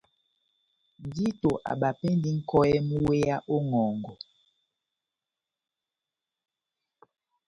Ndito abapɛndi nʼkɔyɛ mú wéya ó ŋʼhɔngɔ.